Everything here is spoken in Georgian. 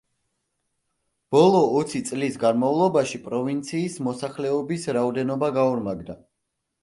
ბოლო ოცი წლის განმავლობაში, პროვინციის მოსახლეობის რაოდენობა გაორმაგდა.